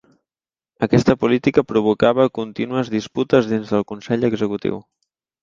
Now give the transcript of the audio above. Aquesta política provocava contínues disputes dins del Consell Executiu.